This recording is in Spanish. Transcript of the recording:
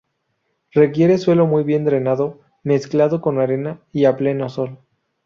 Requiere suelo muy bien drenado, mezclado con arena y a pleno sol.